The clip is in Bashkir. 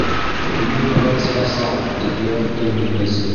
- Һинән рәт сығасаҡ, - тип йыуатты уны Вәзир.